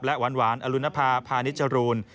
และหวานอรุณภาพานิจรูน